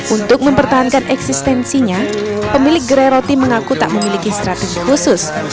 untuk mempertahankan eksistensinya pemilik gerai roti mengaku tak memiliki strategi khusus